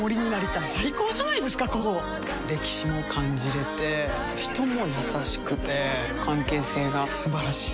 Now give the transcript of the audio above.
歴史も感じれて人も優しくて関係性が素晴らしい。